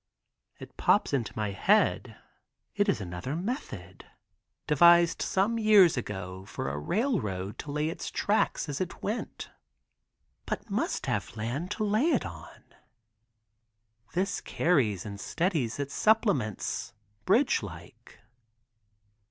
It pops into my head it is after the method devised some years ago for a railroad to lay its track as it went, but must have land to lay it on. This carries and steadies its supplements—bridge like.